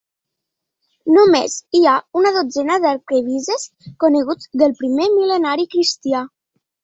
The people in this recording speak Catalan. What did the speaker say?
Només hi ha una dotzena d'arquebisbes coneguts del primer mil·lenari cristià.